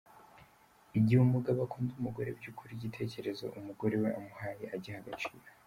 Igihe umugabo ukunda umugore by’ ukuri, igitekerezo umugore we amuhaye agiha agaciro.